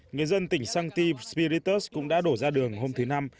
người dân tỉnh sancti spiritus cũng đã đổ ra đường hôm thứ năm